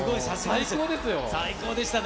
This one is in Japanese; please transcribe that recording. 最高ですよ。